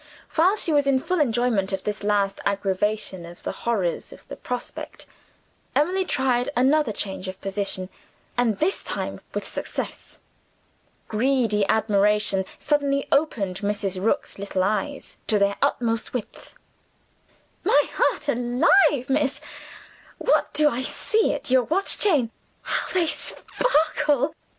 While she was in full enjoyment of this last aggravation of the horrors of the prospect, Emily tried another change of position and, this time, with success. Greedy admiration suddenly opened Mrs. Rook's little eyes to their utmost width. "My heart alive, miss, what do I see at your watch chain? How they sparkle!